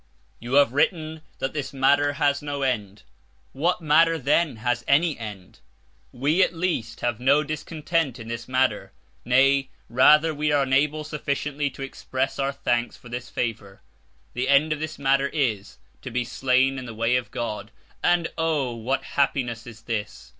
You have written that this matter has no end. What matter, then, has any end? We, at least, have no discontent in this matter; nay, rather we are unable sufficiently to express our thanks for this favour. The end of this matter is to be slain in the way of God, and O! what happiness is this!